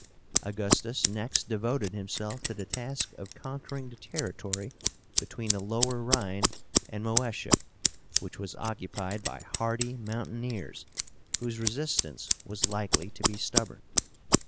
Augustus next devoted himself to the task of conquering the territory between the Lower Rhine and Moesia, which was occupied by hardy mountaineers whose resistance was likely to be stubborn.